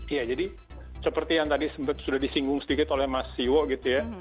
iya jadi seperti yang tadi sudah disinggung sedikit oleh mas siwo gitu ya